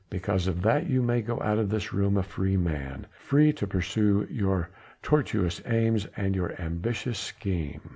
Because of that you may go out of this room a free man free to pursue your tortuous aims and your ambitious scheme.